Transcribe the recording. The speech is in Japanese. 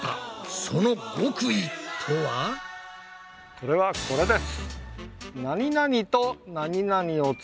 それはこれです。